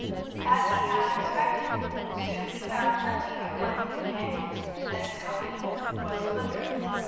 As he had expected, soon he found plenty of worthy companions, and the company was floated.